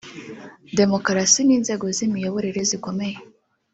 Demukarasi n’inzego z’imiyoborere zikomeye